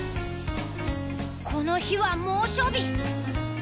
この日は猛暑日。